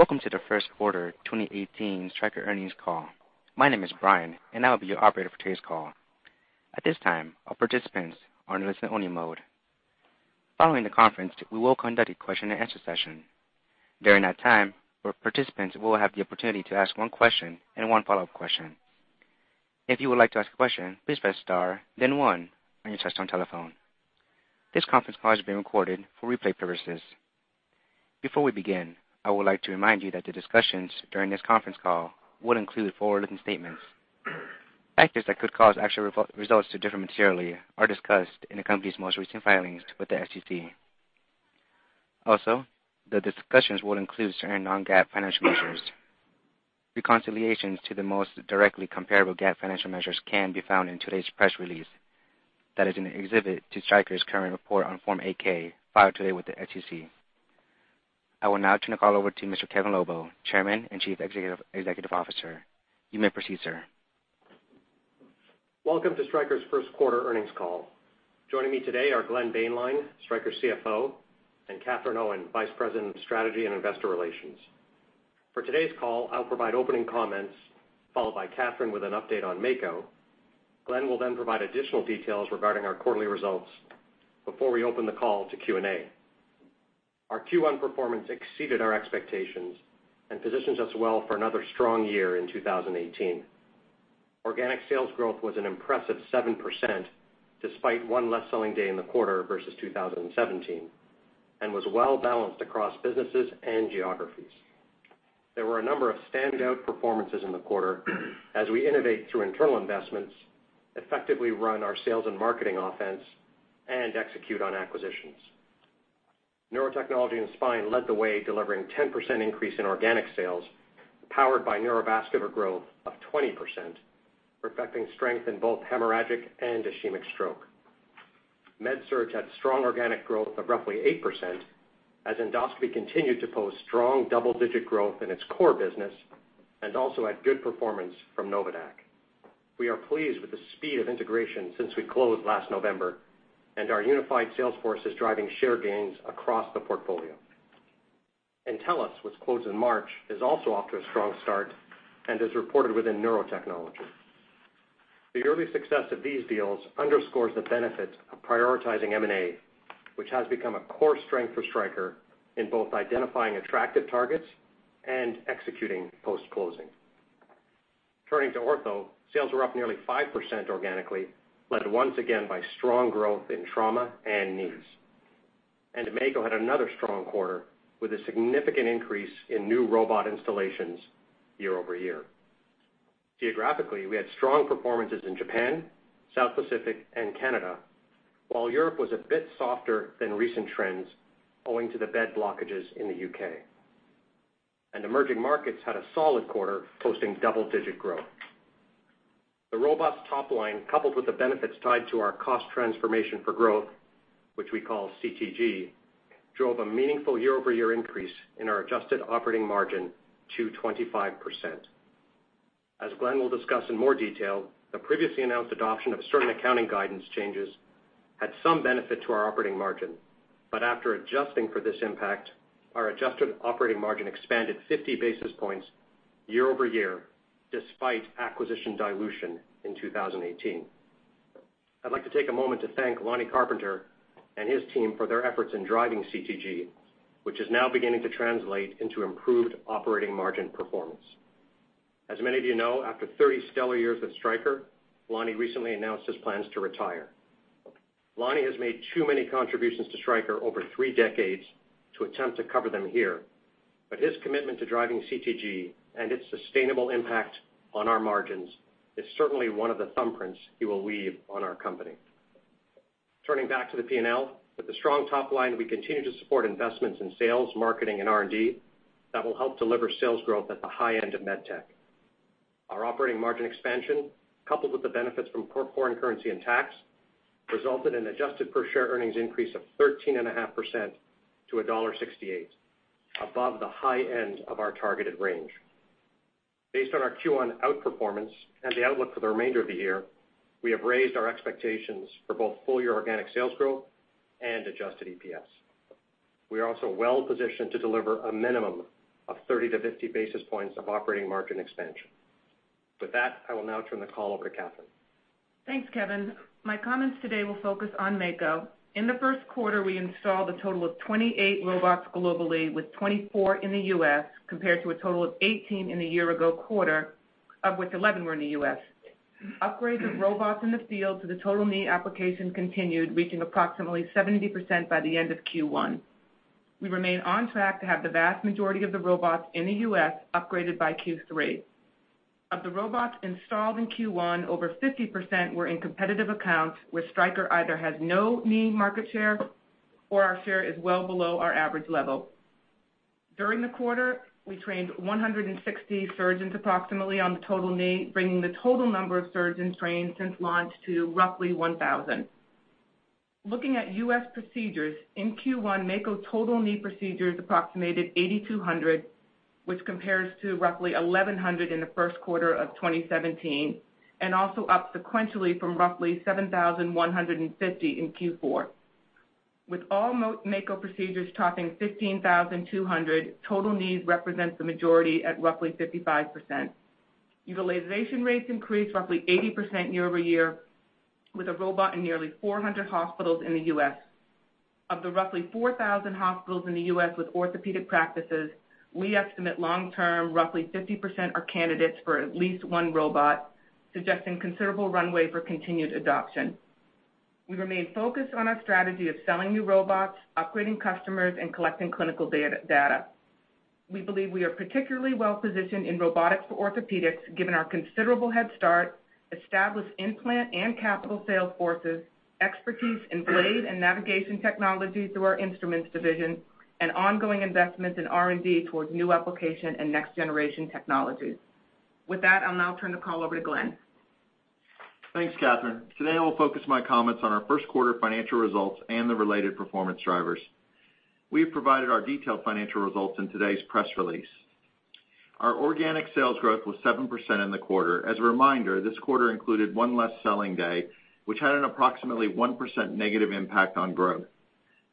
Welcome to the first quarter 2018 Stryker earnings call. My name is Brian and I will be your operator for today's call. At this time, all participants are in listen only mode. Following the conference, we will conduct a question and answer session. During that time, participants will have the opportunity to ask one question and one follow-up question. If you would like to ask a question, please press star then one on your touch-tone telephone. This conference call is being recorded for replay purposes. Before we begin, I would like to remind you that the discussions during this conference call will include forward-looking statements. Factors that could cause actual results to differ materially are discussed in the company's most recent filings with the SEC. Also, the discussions will include certain non-GAAP financial measures. Reconciliations to the most directly comparable GAAP financial measures can be found in today's press release that is in the exhibit to Stryker's current report on form 8-K filed today with the SEC. I will now turn the call over to Mr. Kevin Lobo, Chairman and Chief Executive Officer. You may proceed, sir. Welcome to Stryker's first quarter earnings call. Joining me today are Glenn Boehnlein, Stryker CFO, and Katherine Owen, Vice President of Strategy and Investor Relations. For today's call, I'll provide opening comments followed by Katherine with an update on Mako. Glenn will then provide additional details regarding our quarterly results before we open the call to Q&A. Our Q1 performance exceeded our expectations and positions us well for another strong year in 2018. Organic sales growth was an impressive 7%, despite one less selling day in the quarter versus 2017, and was well-balanced across businesses and geographies. There were a number of standout performances in the quarter as we innovate through internal investments, effectively run our sales and marketing offense, and execute on acquisitions. Neurotechnology and Spine led the way, delivering 10% increase in organic sales, powered by neurovascular growth of 20%, reflecting strength in both hemorrhagic and ischemic stroke. MedSurg had strong organic growth of roughly 8% as Endoscopy continued to post strong double-digit growth in its core business and also had good performance from Novadaq. We are pleased with the speed of integration since we closed last November, and our unified sales force is driving share gains across the portfolio. Entellus, which closed in March, is also off to a strong start and is reported within Neurotechnology. The early success of these deals underscores the benefit of prioritizing M&A, which has become a core strength for Stryker in both identifying attractive targets and executing post-closing. Turning to Ortho, sales were up nearly 5% organically, led once again by strong growth in trauma and knees. Mako had another strong quarter with a significant increase in new robot installations year-over-year. Geographically, we had strong performances in Japan, South Pacific, and Canada. While Europe was a bit softer than recent trends owing to the bed blockages in the U.K. Emerging markets had a solid quarter, posting double-digit growth. The robust top line, coupled with the benefits tied to our Cost Transformation for Growth, which we call CTG, drove a meaningful year-over-year increase in our adjusted operating margin to 25%. As Glenn will discuss in more detail, the previously announced adoption of certain accounting guidance changes had some benefit to our operating margin. After adjusting for this impact, our adjusted operating margin expanded 50 basis points year-over-year, despite acquisition dilution in 2018. I'd like to take a moment to thank Lonny Carpenter and his team for their efforts in driving CTG, which is now beginning to translate into improved operating margin performance. As many of you know, after 30 stellar years at Stryker, Lonny recently announced his plans to retire. Lonny has made too many contributions to Stryker over three decades to attempt to cover them here. His commitment to driving CTG and its sustainable impact on our margins is certainly one of the thumbprints he will leave on our company. Turning back to the P&L, with the strong top line, we continue to support investments in sales, marketing, and R&D that will help deliver sales growth at the high end of med tech. Our operating margin expansion, coupled with the benefits from foreign currency and tax, resulted in adjusted per share earnings increase of 13.5% to $1.68, above the high end of our targeted range. Based on our Q1 outperformance and the outlook for the remainder of the year, we have raised our expectations for both full-year organic sales growth and adjusted EPS. We are also well positioned to deliver a minimum of 30 to 50 basis points of operating margin expansion. With that, I will now turn the call over to Katherine. Thanks, Kevin. My comments today will focus on Mako. In the first quarter, we installed a total of 28 robots globally with 24 in the U.S. compared to a total of 18 in the year-ago quarter, of which 11 were in the U.S. Upgrades of robots in the field to the total knee application continued, reaching approximately 70% by the end of Q1. We remain on track to have the vast majority of the robots in the U.S. upgraded by Q3. Of the robots installed in Q1, over 50% were in competitive accounts where Stryker either has no knee market share or our share is well below our average level. During the quarter, we trained 160 surgeons approximately on the total knee, bringing the total number of surgeons trained since launch to roughly 1,000. Looking at U.S. procedures, in Q1, Mako total knee procedures approximated 8,200, which compares to roughly 1,100 in the first quarter of 2017, and also up sequentially from roughly 7,150 in Q4. With all Mako procedures topping 15,200, total knees represents the majority at roughly 55%. Utilization rates increased roughly 80% year-over-year with a robot in nearly 400 hospitals in the U.S. Of the roughly 4,000 hospitals in the U.S. with Orthopaedics practices, we estimate long term, roughly 50% are candidates for at least one robot, suggesting considerable runway for continued adoption. We remain focused on our strategy of selling new robots, upgrading customers, and collecting clinical data. We believe we are particularly well-positioned in robotics for Orthopaedics given our considerable head start, established implant and capital sales forces, expertise in blade and navigation technology through our Instruments division, and ongoing investments in R&D towards new application and next-generation technologies. I'll now turn the call over to Glenn. Thanks, Katherine. Today I will focus my comments on our first quarter financial results and the related performance drivers. We have provided our detailed financial results in today's press release. Our organic sales growth was 7% in the quarter. As a reminder, this quarter included one less selling day, which had an approximately 1% negative impact on growth.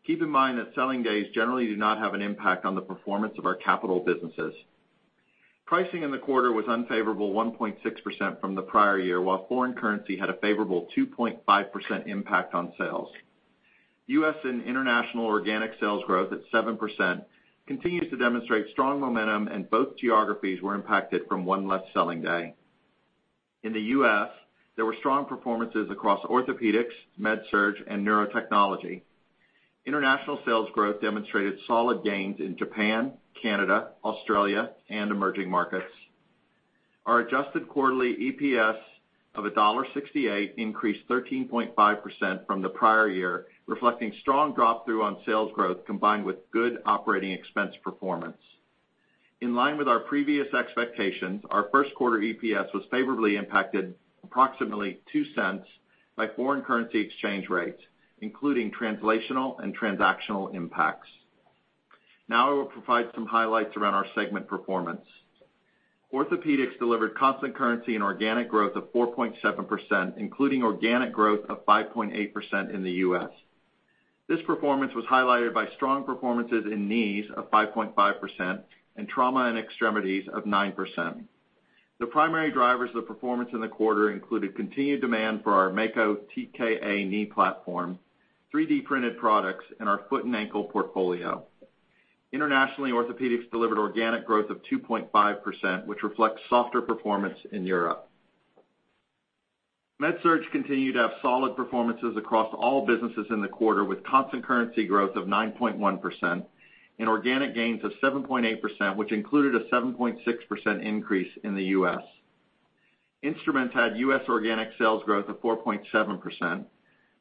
Keep in mind that selling days generally do not have an impact on the performance of our capital businesses. Pricing in the quarter was unfavorable 1.6% from the prior year, while foreign currency had a favorable 2.5% impact on sales. U.S. and international organic sales growth at 7% continues to demonstrate strong momentum, and both geographies were impacted from one less selling day. In the U.S., there were strong performances across Orthopaedics, MedSurg, and Neurotechnology. International sales growth demonstrated solid gains in Japan, Canada, Australia, and emerging markets. Our adjusted quarterly EPS of $1.68 increased 13.5% from the prior year, reflecting strong drop-through on sales growth combined with good operating expense performance. In line with our previous expectations, our first quarter EPS was favorably impacted approximately $0.02 by foreign currency exchange rates, including translational and transactional impacts. I will provide some highlights around our segment performance. Orthopaedics delivered constant currency and organic growth of 4.7%, including organic growth of 5.8% in the U.S. This performance was highlighted by strong performances in knees of 5.5% and trauma and extremities of 9%. The primary drivers of performance in the quarter included continued demand for our Mako TKA knee platform, 3D printed products, and our foot and ankle portfolio. Internationally, Orthopaedics delivered organic growth of 2.5%, which reflects softer performance in Europe. MedSurg continued to have solid performances across all businesses in the quarter with constant currency growth of 9.1% and organic gains of 7.8%, which included a 7.6% increase in the U.S. Instruments had U.S. organic sales growth of 4.7%.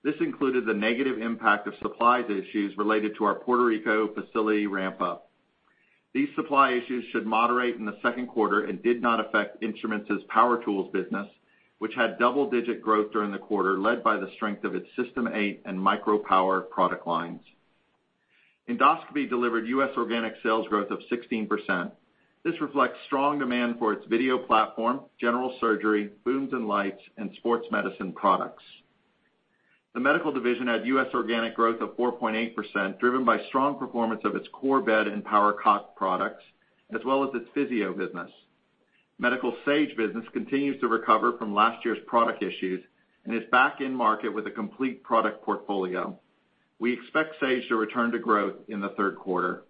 This included the negative impact of supplies issues related to our Puerto Rico facility ramp-up. These supply issues should moderate in the second quarter and did not affect Instruments' power tools business, which had double-digit growth during the quarter, led by the strength of its System 8 and MicroPower product lines. Endoscopy delivered U.S. organic sales growth of 16%. This reflects strong demand for its video platform, general surgery, booms in lights, and sports medicine products. The medical division had U.S. organic growth of 4.8%, driven by strong performance of its core bed and Power-PRO products, as well as its physio business. Medical Sage business continues to recover from last year's product issues and is back in market with a complete product portfolio. We expect Sage to return to growth in the third quarter.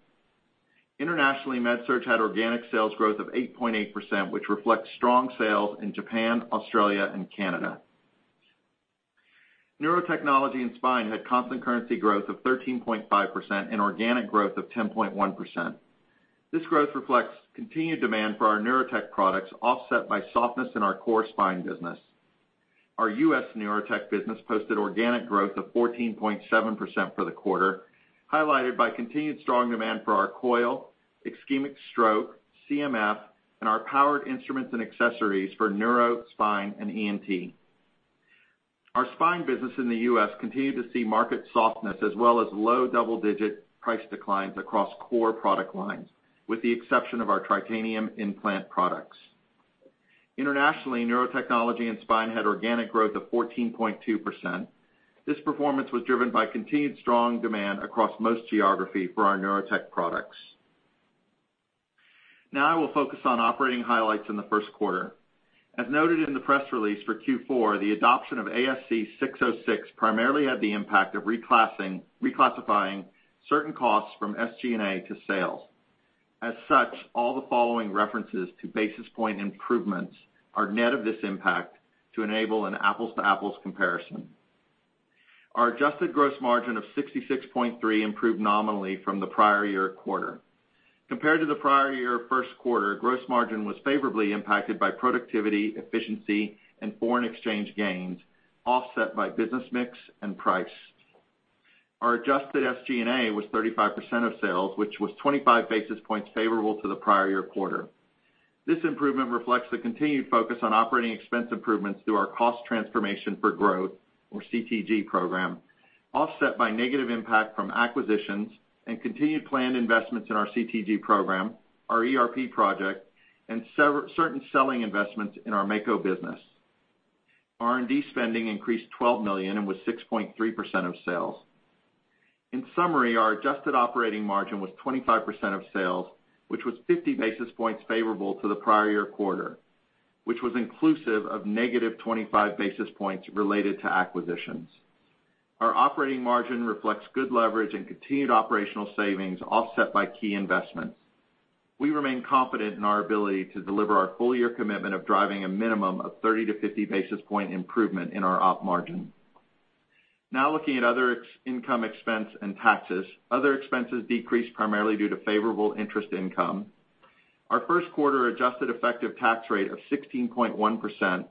Internationally, MedSurg had organic sales growth of 8.8%, which reflects strong sales in Japan, Australia, and Canada. Neurotechnology and spine had constant currency growth of 13.5% and organic growth of 10.1%. This growth reflects continued demand for our neurotech products, offset by softness in our core spine business. Our U.S. neurotech business posted organic growth of 14.7% for the quarter, highlighted by continued strong demand for our coil, ischemic stroke, CMF, and our powered instruments and accessories for neuro, spine, and ENT. Our spine business in the U.S. continued to see market softness as well as low double-digit price declines across core product lines with the exception of our Tritanium implant products. Internationally, neurotechnology and spine had organic growth of 14.2%. This performance was driven by continued strong demand across most geographies for our neurotech products. Now I will focus on operating highlights in the first quarter. As noted in the press release for Q4, the adoption of ASC 606 primarily had the impact of reclassifying certain costs from SG&A to sales. As such, all the following references to basis point improvements are net of this impact to enable an apples-to-apples comparison. Our adjusted gross margin of 66.3% improved nominally from the prior year quarter. Compared to the prior year first quarter, gross margin was favorably impacted by productivity, efficiency, and foreign exchange gains, offset by business mix and price. Our adjusted SG&A was 35% of sales, which was 25 basis points favorable to the prior year quarter. This improvement reflects the continued focus on operating expense improvements through our Cost Transformation for Growth, or CTG program, offset by negative impact from acquisitions and continued planned investments in our CTG program, our ERP project, and certain selling investments in our Mako business. R&D spending increased $12 million and was 6.3% of sales. In summary, our adjusted operating margin was 25% of sales, which was 50 basis points favorable to the prior year quarter, which was inclusive of negative 25 basis points related to acquisitions. Our operating margin reflects good leverage and continued operational savings, offset by key investments. We remain confident in our ability to deliver our full-year commitment of driving a minimum of 30-50 basis point improvement in our op margin. Now looking at other income expense and taxes. Other expenses decreased primarily due to favorable interest income. Our first quarter adjusted effective tax rate of 16.1%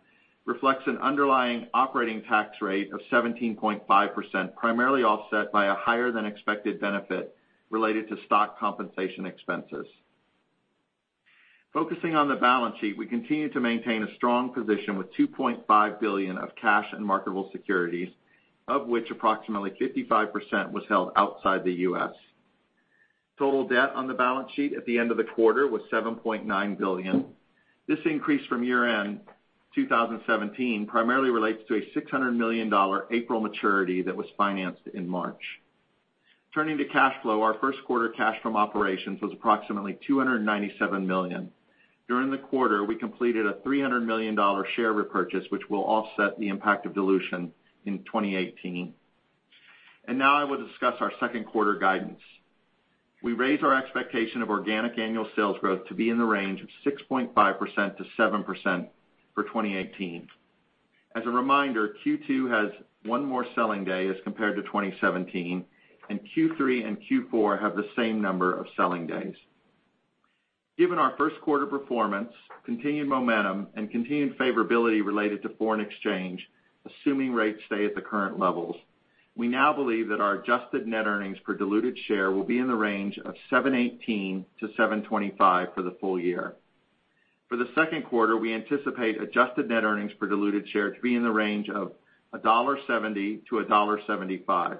reflects an underlying operating tax rate of 17.5%, primarily offset by a higher than expected benefit related to stock compensation expenses. Focusing on the balance sheet, we continue to maintain a strong position with $2.5 billion of cash and marketable securities, of which approximately 55% was held outside the U.S. Total debt on the balance sheet at the end of the quarter was $7.9 billion. This increase from year-end 2017 primarily relates to a $600 million April maturity that was financed in March. Turning to cash flow, our first quarter cash from operations was approximately $297 million. During the quarter, we completed a $300 million share repurchase, which will offset the impact of dilution in 2018. I will discuss our second quarter guidance. We raised our expectation of organic annual sales growth to be in the range of 6.5%-7% for 2018. As a reminder, Q2 has one more selling day as compared to 2017, and Q3 and Q4 have the same number of selling days. Given our first quarter performance, continued momentum, and continued favorability related to foreign exchange, assuming rates stay at the current levels, we now believe that our adjusted net earnings per diluted share will be in the range of $7.18-$7.25 for the full year. For the second quarter, we anticipate adjusted net earnings per diluted share to be in the range of $1.70-$1.75.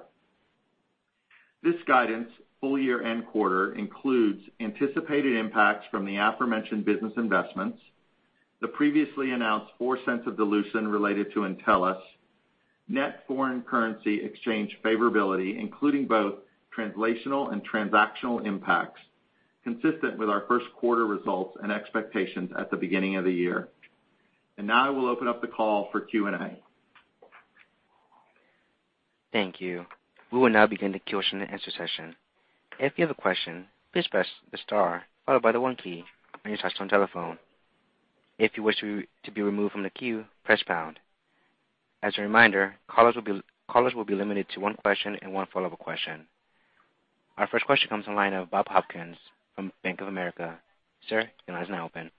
This guidance, full year and quarter, includes anticipated impacts from the aforementioned business investments, the previously announced $0.04 of dilution related to Entellus, net foreign currency exchange favorability, including both translational and transactional impacts, consistent with our first quarter results and expectations at the beginning of the year. I will open up the call for Q&A. Thank you. We will now begin the question and answer session. If you have a question, please press the star followed by the one key on your touch-tone telephone. If you wish to be removed from the queue, press pound. As a reminder, callers will be limited to one question and one follow-up question. Our first question comes on line of Bob Hopkins from Bank of America. Sir, your line is now open.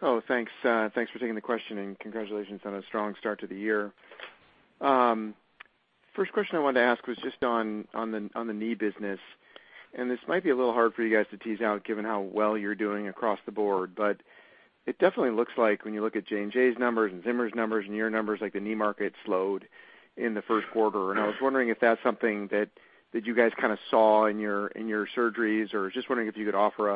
Hello. Thanks for taking the question, and congratulations on a strong start to the year. First question I wanted to ask was just on the knee business, this might be a little hard for you guys to tease out given how well you're doing across the board, but it definitely looks like when you look at J&J's numbers and Zimmer's numbers and your numbers, the knee market slowed in the first quarter. I was wondering if that's something that you guys kind of saw in your surgeries, or just wondering if you could offer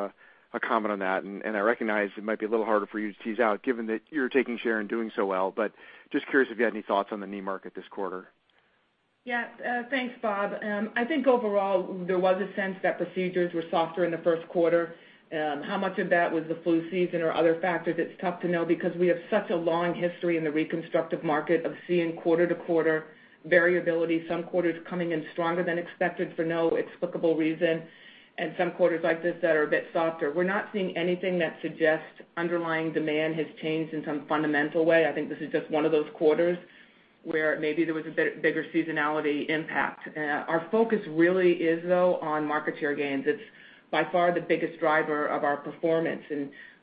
a comment on that. I recognize it might be a little harder for you to tease out given that you're taking share and doing so well, but just curious if you had any thoughts on the knee market this quarter. Thanks, Bob. I think overall, there was a sense that procedures were softer in the first quarter. How much of that was the flu season or other factors? It's tough to know because we have such a long history in the reconstructive market of seeing quarter-to-quarter variability. Some quarters coming in stronger than expected for no explicable reason, and some quarters like this that are a bit softer. We're not seeing anything that suggests underlying demand has changed in some fundamental way. I think this is just one of those quarters where maybe there was a bit bigger seasonality impact. Our focus really is, though, on market share gains. It's by far the biggest driver of our performance.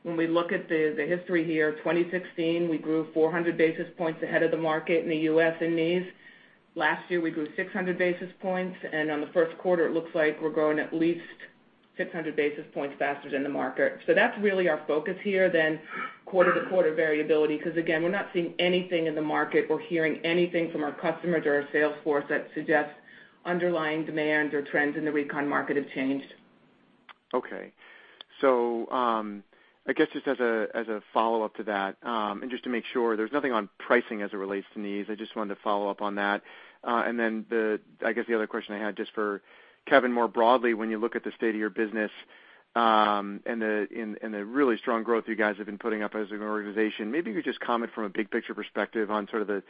When we look at the history here, 2016, we grew 400 basis points ahead of the market in the U.S. in knees. Last year, we grew 600 basis points, on the first quarter, it looks like we're growing at least 600 basis points faster than the market. That's really our focus here than quarter-to-quarter variability, because again, we're not seeing anything in the market or hearing anything from our customers or our sales force that suggests underlying demands or trends in the recon market have changed. I guess just as a follow-up to that, just to make sure, there's nothing on pricing as it relates to knees. I just wanted to follow up on that. I guess the other question I had just for Kevin, more broadly, when you look at the state of your business, the really strong growth you guys have been putting up as an organization, maybe you could just comment from a big picture perspective on sort of the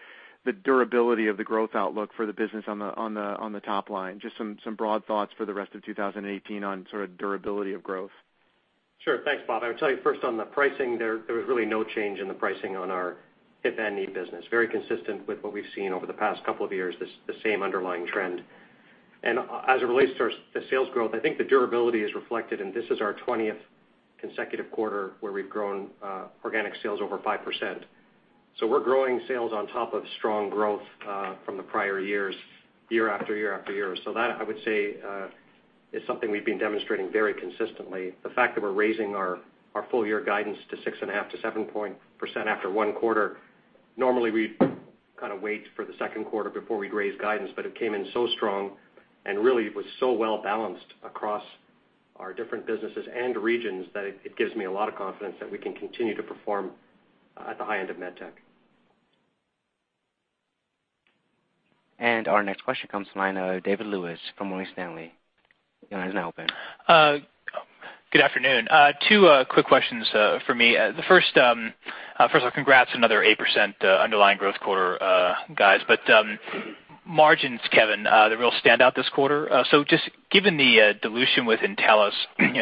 durability of the growth outlook for the business on the top line. Just some broad thoughts for the rest of 2018 on sort of durability of growth. Sure. Thanks, Bob. I would tell you first on the pricing there was really no change in the pricing on our hip and knee business. Very consistent with what we've seen over the past couple of years, the same underlying trend. As it relates to the sales growth, I think the durability is reflected, and this is our 20th consecutive quarter where we've grown organic sales over 5%. We're growing sales on top of strong growth from the prior years, year after year after year. That, I would say, is something we've been demonstrating very consistently. The fact that we're raising our full year guidance to 6.5%-7% after one quarter, normally we'd- Wait for the second quarter before we'd raise guidance, it came in so strong and really was so well-balanced across our different businesses and regions that it gives me a lot of confidence that we can continue to perform at the high end of med tech. Our next question comes from the line of David Lewis from Morgan Stanley. Your line is now open. Good afternoon. Two quick questions for me. First of all, congrats, another 8% underlying growth quarter, guys. Margins, Kevin, the real standout this quarter. Just given the dilution with Entellus,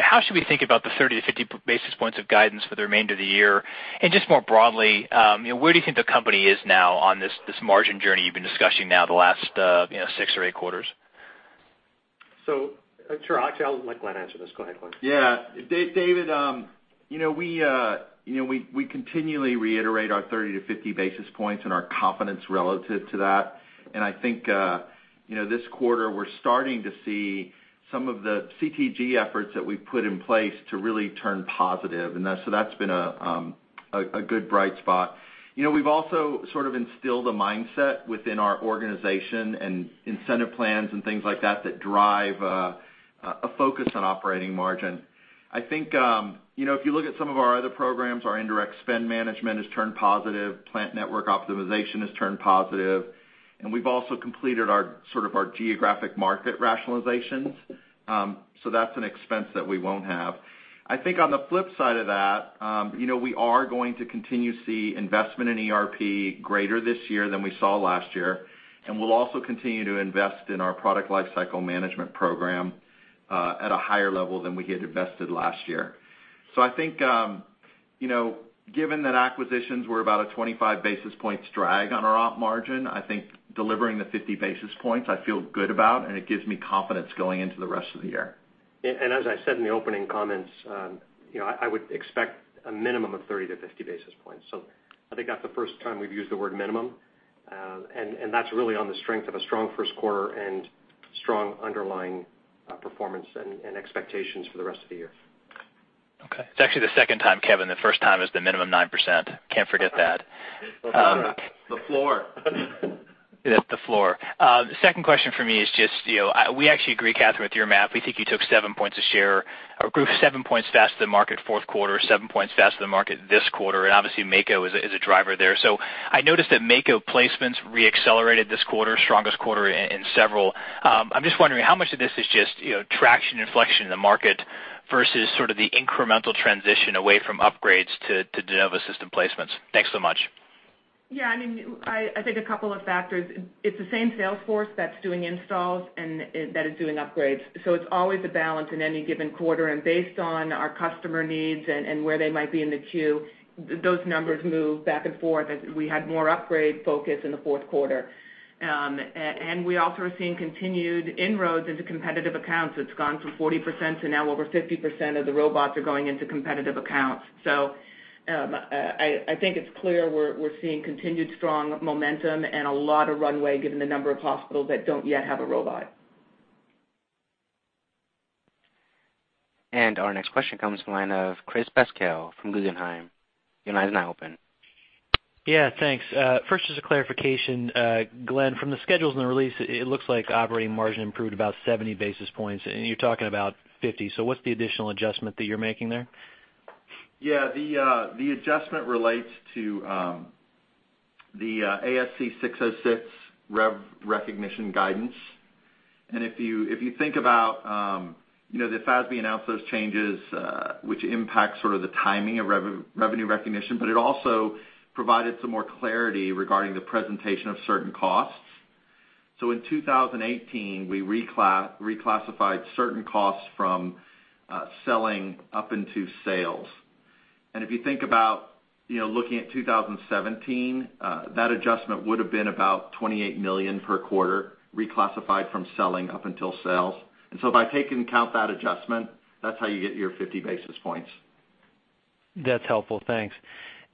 how should we think about the 30-50 basis points of guidance for the remainder of the year? Just more broadly, where do you think the company is now on this margin journey you've been discussing now the last six or eight quarters? sure. Actually, I'll let Glenn answer this. Go ahead, Glenn. Yeah. David, we continually reiterate our 30-50 basis points and our confidence relative to that. I think this quarter, we're starting to see some of the CTG efforts that we've put in place to really turn positive, and so that's been a good, bright spot. We've also sort of instilled a mindset within our organization and incentive plans and things like that drive a focus on operating margin. I think, if you look at some of our other programs, our indirect spend management has turned positive. Plant network optimization has turned positive, and we've also completed our geographic market rationalizations. That's an expense that we won't have. I think on the flip side of that, we are going to continue to see investment in ERP greater this year than we saw last year, and we'll also continue to invest in our product lifecycle management program at a higher level than we had invested last year. I think, given that acquisitions were about a 25 basis points drag on our op margin, I think delivering the 50 basis points, I feel good about, and it gives me confidence going into the rest of the year. As I said in the opening comments, I would expect a minimum of 30-50 basis points. I think that's the first time we've used the word minimum. That's really on the strength of a strong first quarter and strong underlying performance and expectations for the rest of the year. Okay. It's actually the second time, Kevin. The first time was the minimum 9%. Can't forget that. The floor. The floor. Second question for me is just, we actually agree, Katherine, with your math. We think you took seven points of share, or grew seven points faster than market fourth quarter, seven points faster than market this quarter, and obviously Mako is a driver there. I noticed that Mako placements re-accelerated this quarter, strongest quarter in several. I'm just wondering, how much of this is just traction inflection in the market versus sort of the incremental transition away from upgrades to de novo system placements? Thanks so much. Yeah, I think a couple of factors. It's the same sales force that's doing installs and that is doing upgrades. It's always a balance in any given quarter. Based on our customer needs and where they might be in the queue, those numbers move back and forth, as we had more upgrade focus in the fourth quarter. We also are seeing continued inroads into competitive accounts. It's gone from 40% to now over 50% of the robots are going into competitive accounts. I think it's clear we're seeing continued strong momentum and a lot of runway given the number of hospitals that don't yet have a robot. Our next question comes from the line of Chris Pasquale from Guggenheim. Your line is now open. Yeah, thanks. First, just a clarification. Glenn, from the schedules and the release, it looks like operating margin improved about 70 basis points, and you're talking about 50. What's the additional adjustment that you're making there? Yeah. The adjustment relates to the ASC 606 rev recognition guidance. If you think about the FASB announced those changes which impact sort of the timing of revenue recognition, but it also provided some more clarity regarding the presentation of certain costs. In 2018, we reclassified certain costs from selling up into sales. If you think about looking at 2017, that adjustment would've been about $28 million per quarter, reclassified from selling up until sales. By taking into account that adjustment, that's how you get your 50 basis points. That's helpful. Thanks.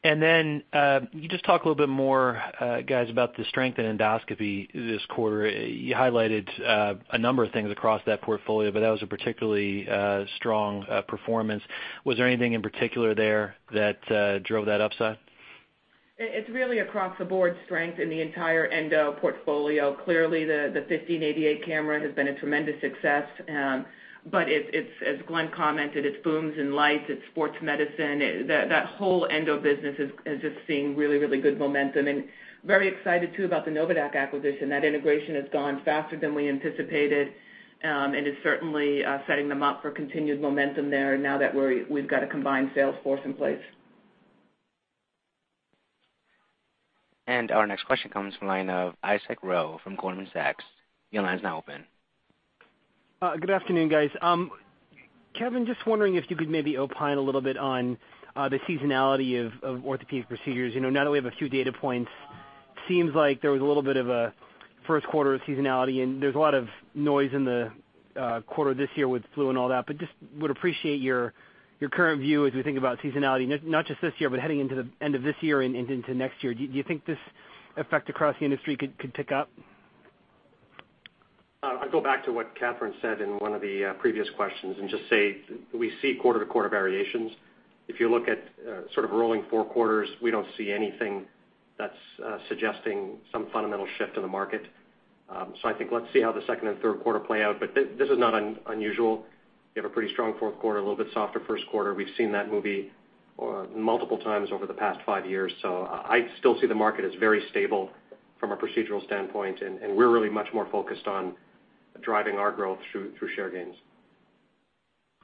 Then, can you just talk a little bit more, guys, about the strength in Endoscopy this quarter? You highlighted a number of things across that portfolio, but that was a particularly strong performance. Was there anything in particular there that drove that upside? It's really across the board strength in the entire Endoscopy portfolio. Clearly, the 1588 has been a tremendous success. As Glenn commented, it's booms in lights, it's Sports Medicine. That whole Endoscopy business is just seeing really, really good momentum. Very excited too about the Novadaq acquisition. That integration has gone faster than we anticipated, and it's certainly setting them up for continued momentum there now that we've got a combined sales force in place. Our next question comes from the line of Isaac Ro from Goldman Sachs. Your line is now open. Good afternoon, guys. Kevin, just wondering if you could maybe opine a little bit on the seasonality of Orthopaedics procedures. Now that we have a few data points, seems like there was a little bit of a first quarter seasonality, and there's a lot of noise in the quarter this year with flu and all that. Just would appreciate your current view as we think about seasonality, not just this year, but heading into the end of this year and into next year. Do you think this effect across the industry could pick up? I'll go back to what Katherine said in one of the previous questions and just say we see quarter-to-quarter variations. If you look at rolling 4 quarters, we don't see anything that's suggesting some fundamental shift in the market. I think let's see how the second and third quarter play out, but this is not unusual. You have a pretty strong fourth quarter, a little bit softer first quarter. We've seen that movie multiple times over the past 5 years. I still see the market as very stable from a procedural standpoint, and we're really much more focused on driving our growth through share gains.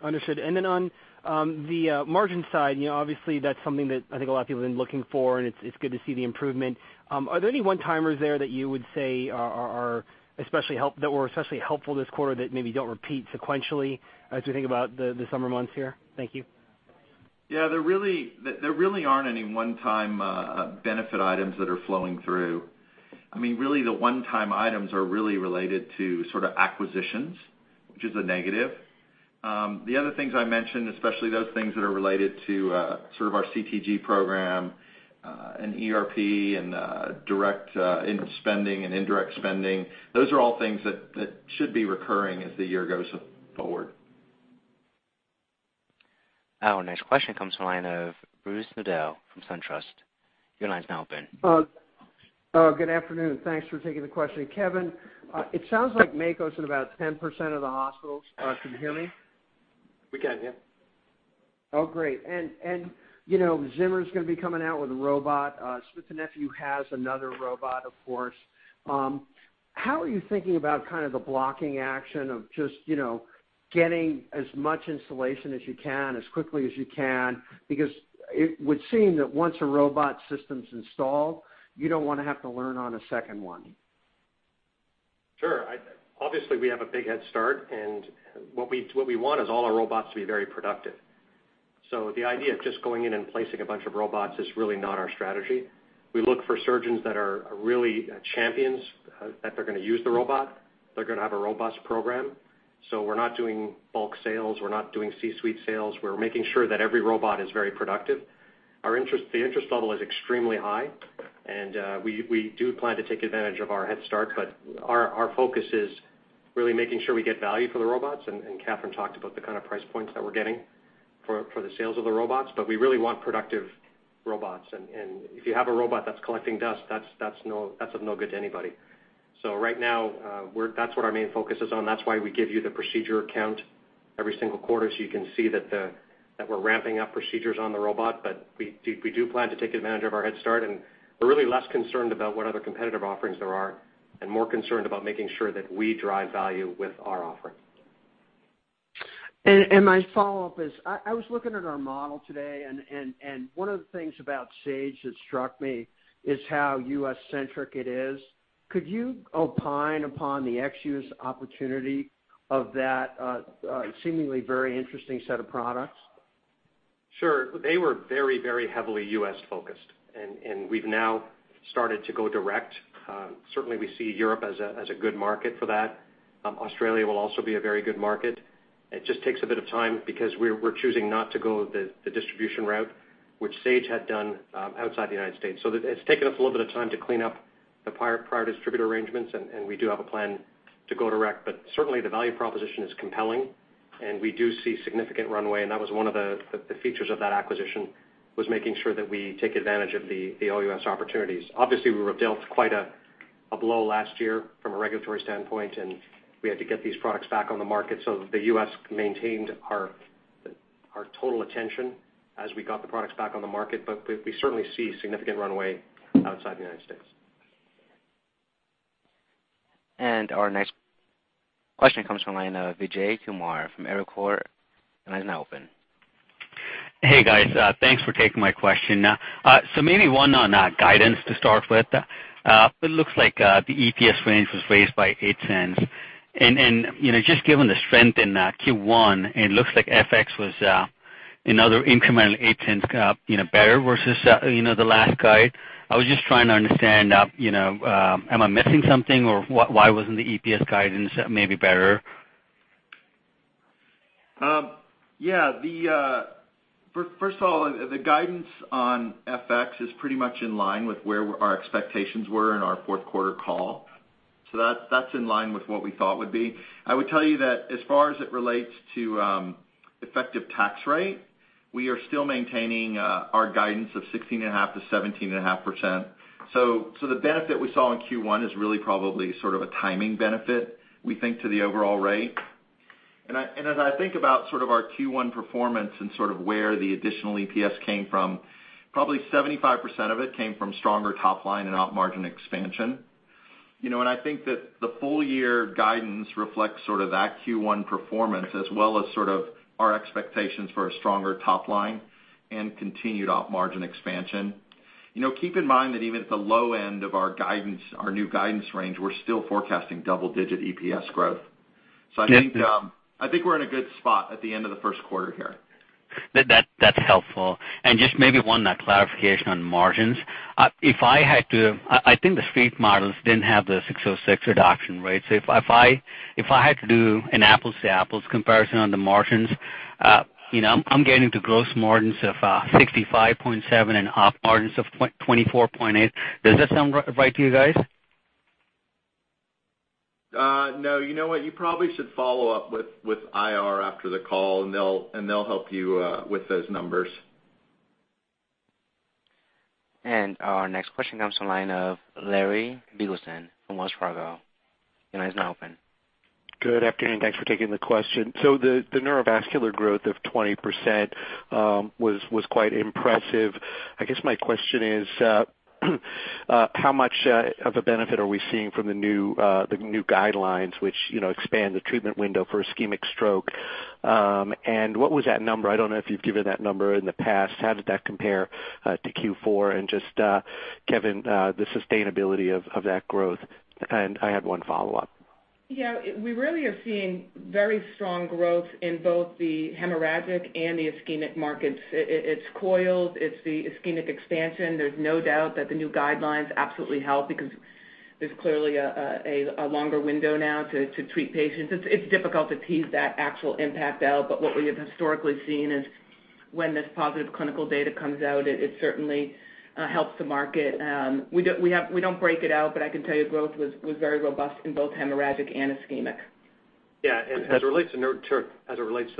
Understood. On the margin side, obviously that's something that I think a lot of people have been looking for, and it's good to see the improvement. Are there any one-timers there that you would say that were especially helpful this quarter that maybe don't repeat sequentially as we think about the summer months here? Thank you. There really aren't any one-time benefit items that are flowing through. Really, the one-time items are really related to sort of acquisitions, which is a negative. The other things I mentioned, especially those things that are related to sort of our CTG program, ERP and direct spending and indirect spending, those are all things that should be recurring as the year goes forward. Our next question comes from the line of Bruce Nudell from SunTrust. Your line's now open. Good afternoon. Thanks for taking the question. Kevin, it sounds like Mako's in about 10% of the hospitals. Can you hear me? We can, yeah. Oh, great. Zimmer's going to be coming out with a robot. Smith & Nephew has another robot, of course. How are you thinking about kind of the blocking action of just getting as much installation as you can as quickly as you can? Because it would seem that once a robot system's installed, you don't want to have to learn on a second one. Sure. Obviously, we have a big head start, and what we want is all our robots to be very productive. The idea of just going in and placing a bunch of robots is really not our strategy. We look for surgeons that are really champions, that they're going to use the robot, they're going to have a robust program. We're not doing bulk sales. We're not doing C-suite sales. We're making sure that every robot is very productive. The interest level is extremely high, and we do plan to take advantage of our head start, but our focus is really making sure we get value for the robots, and Katherine talked about the kind of price points that we're getting for the sales of the robots. We really want productive robots, and if you have a robot that's collecting dust, that's of no good to anybody. Right now, that's what our main focus is on. That's why we give you the procedure count every single quarter, so you can see that we're ramping up procedures on the robot. We do plan to take advantage of our head start, and we're really less concerned about what other competitive offerings there are and more concerned about making sure that we drive value with our offering. My follow-up is, I was looking at our model today, and one of the things about Sage that struck me is how U.S.-centric it is. Could you opine upon the ex-U.S. opportunity of that seemingly very interesting set of products? Sure. They were very, very heavily U.S. focused, we've now started to go direct. Certainly, we see Europe as a good market for that. Australia will also be a very good market. It just takes a bit of time because we're choosing not to go the distribution route, which Sage had done outside the United States. It's taken us a little bit of time to clean up the prior distributor arrangements, and we do have a plan to go direct. Certainly, the value proposition is compelling, and we do see significant runway, and that was one of the features of that acquisition, was making sure that we take advantage of the OUS opportunities. Obviously, we were dealt quite a blow last year from a regulatory standpoint, and we had to get these products back on the market. The U.S. maintained our total attention as we got the products back on the market. We certainly see significant runway outside the United States. Our next question comes from the line of Vijay Kumar from Evercore. The line is now open. Hey, guys. Thanks for taking my question. Maybe one on guidance to start with. It looks like the EPS range was raised by $0.08. Just given the strength in Q1, it looks like FX was another incremental $0.08 better versus the last guide. I was just trying to understand, am I missing something, or why wasn't the EPS guidance maybe better? Yeah. First of all, the guidance on FX is pretty much in line with where our expectations were in our fourth quarter call. That's in line with what we thought would be. I would tell you that as far as it relates to effective tax rate, we are still maintaining our guidance of 16.5%-17.5%. The benefit we saw in Q1 is really probably sort of a timing benefit, we think, to the overall rate. As I think about sort of our Q1 performance and sort of where the additional EPS came from, probably 75% of it came from stronger top line and op margin expansion. I think that the full year guidance reflects sort of that Q1 performance as well as sort of our expectations for a stronger top line and continued op margin expansion. Keep in mind that even at the low end of our new guidance range, we're still forecasting double-digit EPS growth. I think we're in a good spot at the end of the first quarter here. That's helpful. Just maybe one clarification on margins. I think the street models didn't have the 606 adoption rate. If I had to do an apples-to-apples comparison on the margins, I'm getting to gross margins of 65.7% and op margins of 24.8%. Does that sound right to you guys? No. You know what? You probably should follow up with IR after the call, and they'll help you with those numbers. Our next question comes to the line of Larry Biegelsen from Wells Fargo. Your line is now open. Good afternoon. Thanks for taking the question. The neurovascular growth of 20% was quite impressive. I guess my question is, how much of a benefit are we seeing from the new guidelines, which expand the treatment window for ischemic stroke? What was that number? I don't know if you've given that number in the past. How did that compare to Q4? Just, Kevin, the sustainability of that growth. I had one follow-up. Yeah. We really are seeing very strong growth in both the hemorrhagic and the ischemic markets. It's coiled. It's the ischemic expansion. There's no doubt that the new guidelines absolutely help because there's clearly a longer window now to treat patients. It's difficult to tease that actual impact out. What we have historically seen is when this positive clinical data comes out, it certainly helps the market. We don't break it out, but I can tell you growth was very robust in both hemorrhagic and ischemic. As it relates to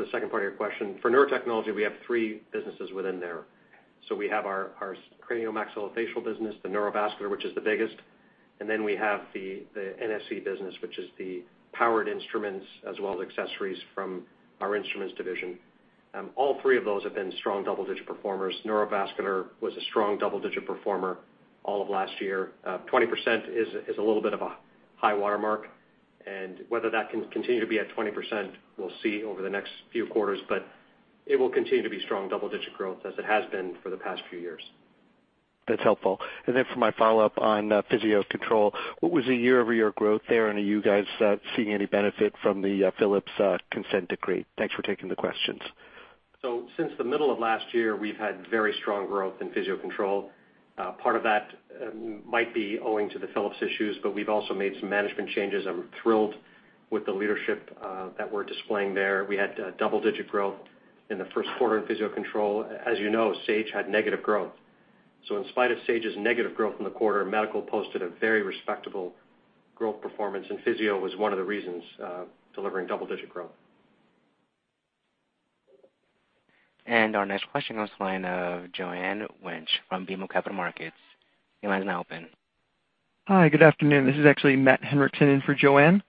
the second part of your question, for Neurotechnology, we have three businesses within there. We have our Cranio-Maxillofacial business, the Neurovascular, which is the biggest, and then we have the NSC business, which is the powered Instruments as well as accessories from our Instruments division. All three of those have been strong double-digit performers. Neurovascular was a strong double-digit performer all of last year. 20% is a little bit of a high watermark, and whether that can continue to be at 20%, we'll see over the next few quarters. But it will continue to be strong double-digit growth as it has been for the past few years. That's helpful. Then for my follow-up on Physio-Control, what was the year-over-year growth there, and are you guys seeing any benefit from the Philips consent decree? Thanks for taking the questions. Since the middle of last year, we've had very strong growth in Physio-Control. Part of that might be owing to the Philips issues, but we've also made some management changes, and we're thrilled with the leadership that we're displaying there. We had double-digit growth in the first quarter in Physio-Control. As you know, Sage had negative growth. In spite of Sage's negative growth in the quarter, medical posted a very respectable growth performance, and physio was one of the reasons delivering double-digit growth. Our next question goes to the line of Joanne Wuensch from BMO Capital Markets. Your line is now open. Hi, good afternoon. This is actually Matt Henriksson in for Joanne.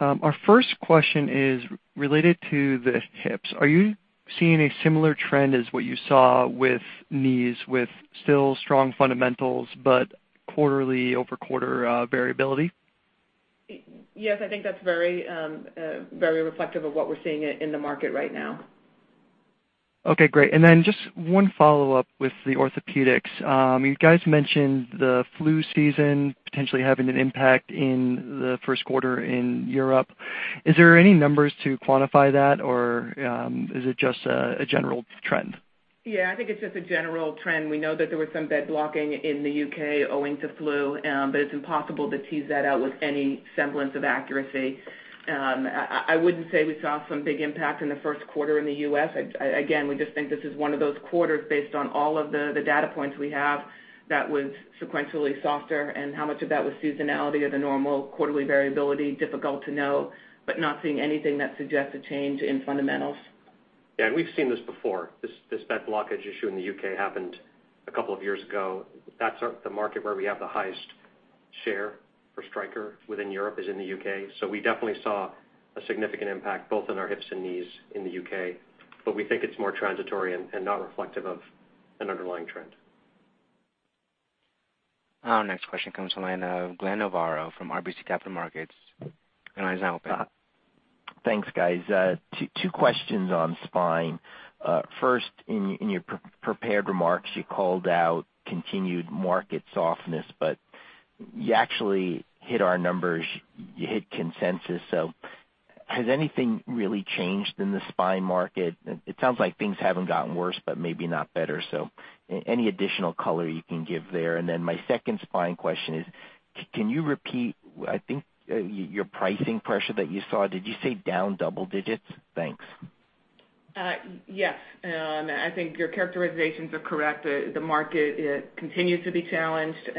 Our first question is related to the hips. Are you seeing a similar trend as what you saw with knees with still strong fundamentals, but quarter-over-quarter variability? I think that's very reflective of what we're seeing in the market right now. Okay, great. Then just one follow-up with the Orthopaedics. You guys mentioned the flu season potentially having an impact in the first quarter in Europe. Is there any numbers to quantify that, or is it just a general trend? I think it's just a general trend. We know that there was some bed blocking in the U.K. owing to flu. It's impossible to tease that out with any semblance of accuracy. I wouldn't say we saw some big impact in the first quarter in the U.S. Again, we just think this is one of those quarters based on all of the data points we have that was sequentially softer and how much of that was seasonality or the normal quarterly variability, difficult to know, but not seeing anything that suggests a change in fundamentals. Yeah, we've seen this before. This bed blockage issue in the U.K. happened a couple of years ago. That's the market where we have the highest share for Stryker within Europe is in the U.K. We definitely saw a significant impact both in our hips and knees in the U.K. We think it's more transitory and not reflective of an underlying trend. Our next question comes to the line of Glenn Novarro from RBC Capital Markets. Your line is now open. Thanks, guys. Two questions on spine. First, in your prepared remarks, you called out continued market softness, you actually hit our numbers. You hit consensus. Has anything really changed in the spine market? It sounds like things haven't gotten worse, maybe not better. Any additional color you can give there? My second spine question is, can you repeat, I think your pricing pressure that you saw, did you say down double digits? Thanks. Yes. I think your characterizations are correct. The market continues to be challenged.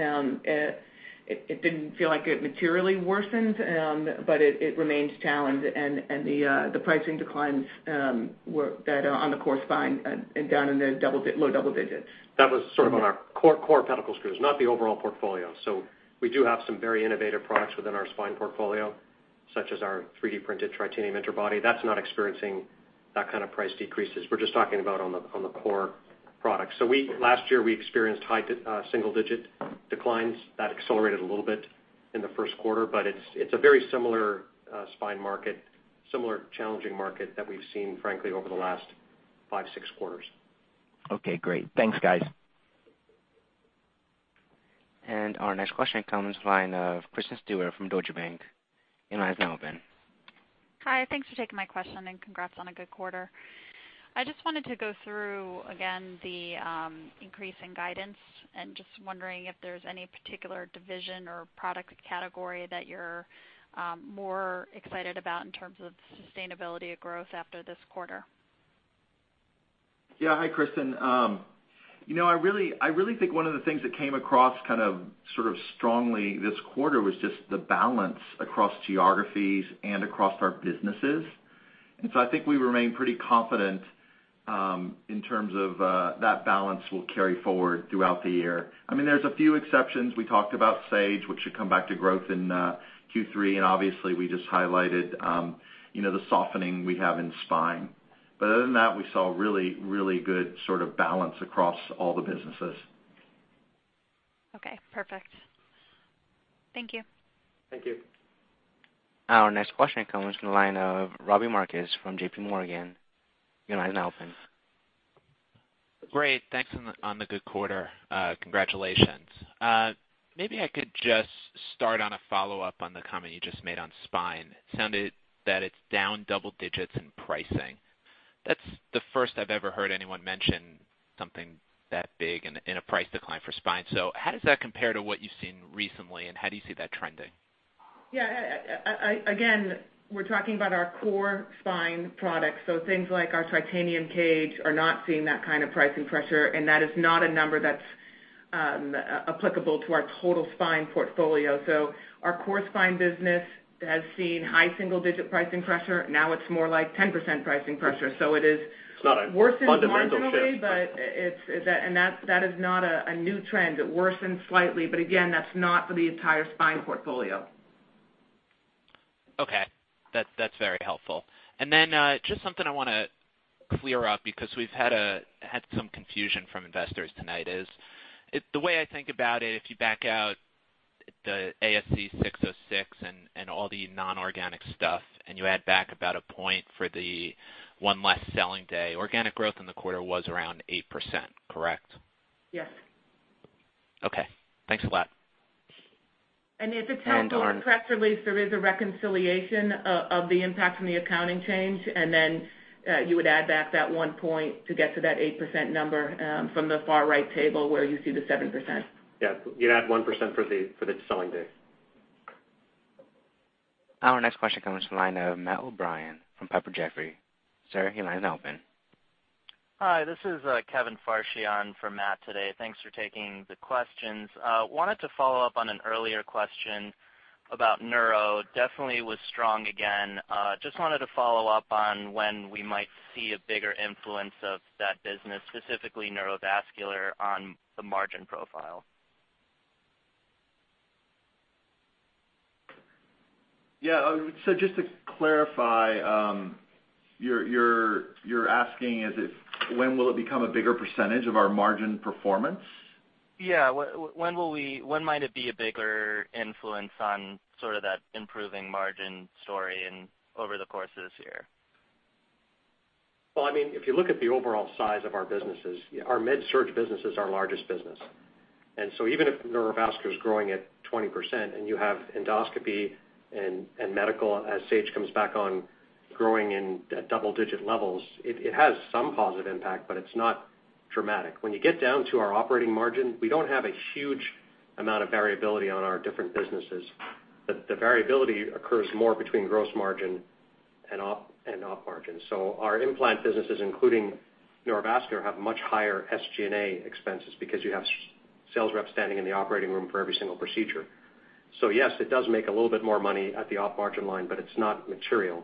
It didn't feel like it materially worsened, it remains challenged, the pricing declines that are on the core spine and down in the low double digits. That was sort of on our core pedicle screws, not the overall portfolio. We do have some very innovative products within our spine portfolio, such as our 3D printed titanium interbody. That's not experiencing that kind of price decreases. We're just talking about on the core products. Last year we experienced high single-digit declines. That accelerated a little bit in the first quarter, but it's a very similar spine market, similar challenging market that we've seen, frankly, over the last five, six quarters. Okay, great. Thanks, guys. Our next question comes to the line of Kristen Stewart from Deutsche Bank. Your line is now open. Hi. Thanks for taking my question, congrats on a good quarter. I just wanted to go through again the increase in guidance and just wondering if there's any particular division or product category that you're more excited about in terms of sustainability of growth after this quarter. Yeah. Hi, Kristen. I really think one of the things that came across sort of strongly this quarter was just the balance across geographies and across our businesses. I think we remain pretty confident in terms of that balance will carry forward throughout the year. There's a few exceptions. We talked about Sage, which should come back to growth in Q3, obviously we just highlighted the softening we have in Spine. Other than that, we saw really good sort of balance across all the businesses. Okay, perfect. Thank you. Thank you. Our next question comes from the line of Robbie Marcus from JPMorgan. Your line is now open. Great. Thanks on the good quarter. Congratulations. Maybe I could just start on a follow-up on the comment you just made on Spine. It sounded that it's down double digits in pricing. That's the first I've ever heard anyone mention something that big in a price decline for Spine. How does that compare to what you've seen recently, and how do you see that trending? Yeah. Again, we're talking about our core spine products. Things like our Tritanium cage are not seeing that kind of pricing pressure, and that is not a number that's applicable to our total spine portfolio. Our core spine business has seen high single-digit pricing pressure. Now it's more like 10% pricing pressure. It's not a fundamental shift It worsened marginally, that is not a new trend. It worsened slightly, again, that's not for the entire spine portfolio. Okay. That's very helpful. Just something I want to clear up, because we've had some confusion from investors tonight, is the way I think about it, if you back out the ASC 606 and all the non-organic stuff, you add back about a point for the one less selling day, organic growth in the quarter was around 8%, correct? Yes. Okay, thanks a lot. At the end of the press release, there is a reconciliation of the impact from the accounting change. Then you would add back that one point to get to that 8% number from the far right table where you see the 7%. Yeah. You'd add 1% for the selling day. Our next question comes from the line of Matt O'Brien from Piper Jaffray. Sir, your line is now open. Hi, this is Kevin Farshchi for Matt today. Thanks for taking the questions. Wanted to follow up on an earlier question about neuro. Definitely was strong again. Just wanted to follow up on when we might see a bigger influence of that business, specifically neurovascular, on the margin profile. Yeah. Just to clarify, you're asking when will it become a bigger percentage of our margin performance? Yeah. When might it be a bigger influence on sort of that improving margin story over the course of this year? If you look at the overall size of our businesses, our MedSurg business is our largest business. Even if neurovascular is growing at 20% and you have endoscopy and medical as Sage comes back on growing in double-digit levels, it has some positive impact, but it's not dramatic. When you get down to our operating margin, we don't have a huge amount of variability on our different businesses. The variability occurs more between gross margin and op margin. Our implant businesses, including neurovascular, have much higher SG&A expenses because you have sales reps standing in the operating room for every single procedure. Yes, it does make a little bit more money at the op margin line, but it's not material.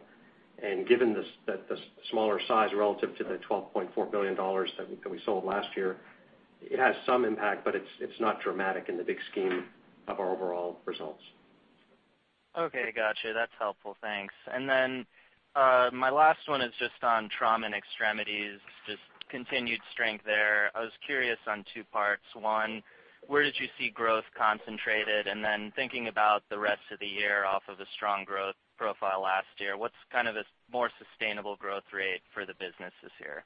Given the smaller size relative to the $12.4 billion that we sold last year, it has some impact, but it's not dramatic in the big scheme of our overall results. Okay, gotcha. That's helpful. Thanks. My last one is just on trauma and extremities, just continued strength there. I was curious on two parts. One, where did you see growth concentrated? Then thinking about the rest of the year off of the strong growth profile last year, what's kind of a more sustainable growth rate for the business this year?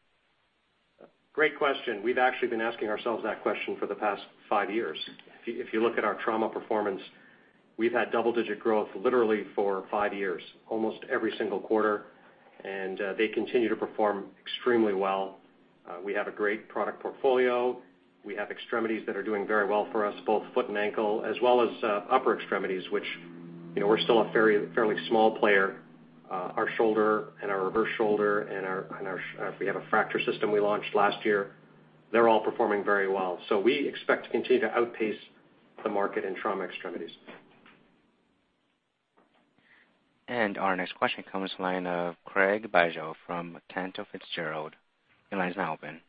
Great question. We've actually been asking ourselves that question for the past five years. If you look at our trauma performance, we've had double-digit growth literally for five years, almost every single quarter, and they continue to perform extremely well. We have a great product portfolio. We have extremities that are doing very well for us, both foot and ankle, as well as upper extremities, which we're still a fairly small player. Our shoulder and our reverse shoulder and we have a fracture system we launched last year, they're all performing very well. We expect to continue to outpace the market in trauma extremities. Our next question comes from the line of Craig Bijou from Cantor Fitzgerald. Your line is now open.